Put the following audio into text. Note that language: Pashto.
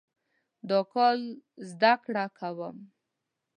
دا کال زده کړه کوم